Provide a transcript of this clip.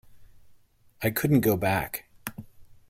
I couldn't go back.